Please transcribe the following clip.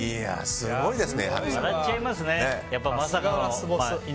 すごいです。